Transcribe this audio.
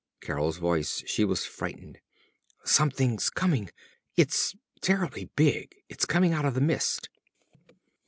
Carol's voice; she was frightened. "_Something's coming! It's terribly big! It's coming out of the mist!